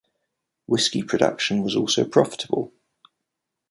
Whiskey production was also profitable.